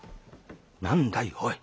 何だいおい。